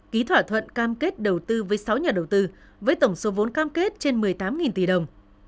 ký thỏa thuận cam kết đầu tư với sáu nhà đầu tư với tổng số vốn cam kết trên một mươi tám tỷ đồng